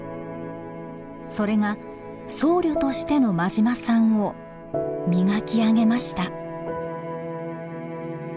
それが僧侶としての馬島さんを磨き上げました。